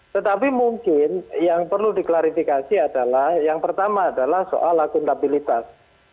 tetapi mungkin yang perlu diklarifikasi adalah yang pertama adalah soal akuntabilitas